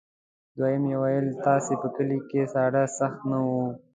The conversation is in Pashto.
دوهم یې وویل ستاسې په کلي کې ساړه سخت نه وو.